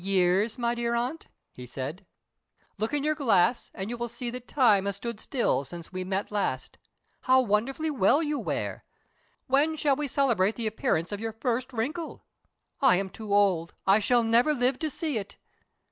"Years, my dear aunt?" he said. "Look in your glass and you will see that time has stood still since we met last. How wonderfully well you wear! When shall we celebrate the appearance of your first wrinkle? I am too old; I shall never live to see it."